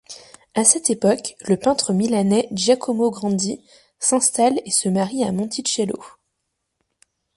À cette époque le peintre milanais Giacomo Grandi s'installe et se marie à Monticello.